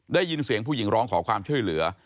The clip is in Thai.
ได้ยินเสียงผู้หญิงร้องขอความช่วยเหลือ